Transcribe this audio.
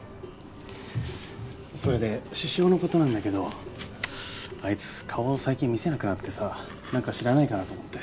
それで獅子雄のことなんだけどあいつ顔を最近見せなくなってさ何か知らないかなと思って。